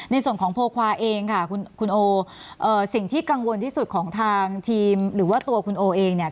ในส่วนของโพควาเองค่ะคุณโอสิ่งที่กังวลที่สุดของทางทีมหรือว่าตัวคุณโอเองเนี่ย